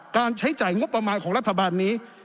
การใช้จ่ายงบประมาณของรัฐบาลนี้